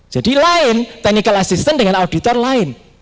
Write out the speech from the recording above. jadi lain technical assistance dengan auditor lain